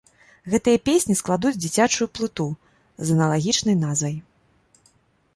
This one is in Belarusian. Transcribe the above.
Гэтыя песні складуць дзіцячую плыту з аналагічнай назвай.